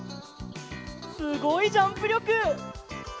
すごいジャンプりょく！